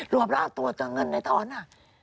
รวบแล้วเอาตัวเงินไหนตอนน่ะ